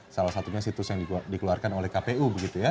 salah satunya situs yang dikeluarkan oleh kpu